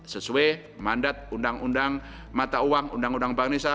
sesuai mandat undang undang mata uang undang undang bank indonesia